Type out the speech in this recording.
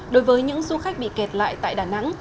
đối với những du khách bị kẹt lại tại đà nẵng